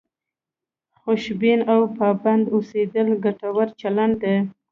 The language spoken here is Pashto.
خوشبین او پابند اوسېدل ګټور چلند دی.